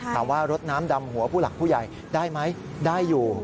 รดน้ำดำหัวผู้หลักผู้ใหญ่ได้ไหมได้อยู่